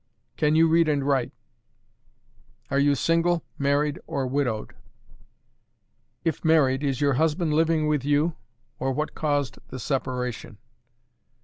"Can you read and write? "Are you single, married, or widowed? "If married, is your husband living with you, or what caused the separation?